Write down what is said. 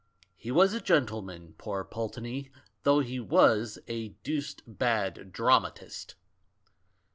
He was a gentleman, poor Pulteney, though he was a deuced bad dramatist.